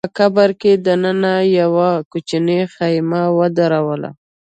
په قبر کي دننه يې يوه کوچنۍ خېمه ودروله